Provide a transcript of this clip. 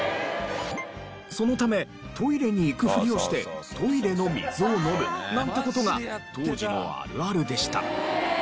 そのためトイレに行くふりをしてトイレの水を飲むなんて事が当時のあるあるでした。